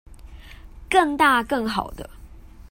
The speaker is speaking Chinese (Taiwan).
更大更好的